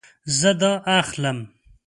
زه دا اخلم